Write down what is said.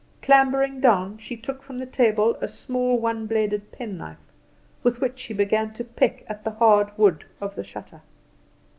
Clambering down, she took from the table a small one bladed penknife, with which she began to peck at the hard wood of the shutter.